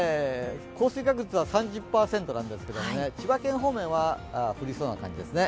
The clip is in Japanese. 降水確率は３０％なんですけれども千葉県方面は降りそうな感じですね。